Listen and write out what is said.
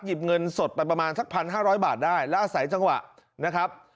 เงินสดไปประมาณสัก๑๕๐๐บาทได้แล้วอาศัยจังหวะนะครับ